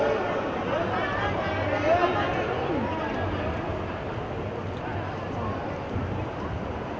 คุณรู้สึกยังไงบ้างครับจากทางนี้น้ำตาประสงค์สำเร็จถึงมากขนาดนี้ครับ